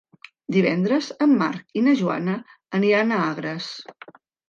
Divendres en Marc i na Joana aniran a Agres.